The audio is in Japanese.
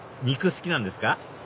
肉好きなんですか？